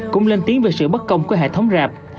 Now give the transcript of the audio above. cũng lên tiếng về sự bất công của hệ thống rạp